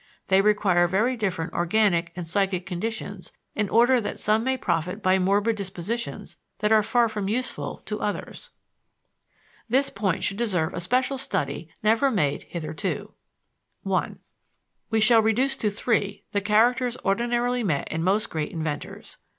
They require very different organic and psychic conditions in order that some may profit by morbid dispositions that are far from useful to others. This point should deserve a special study never made hitherto. I We shall reduce to three the characters ordinarily met in most great inventors.